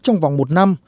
trong vòng một năm